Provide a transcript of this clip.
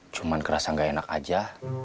cuman kerasa nggak enak saja